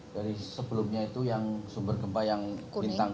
dari sebelumnya itu yang sumber gempa yang bintang tiga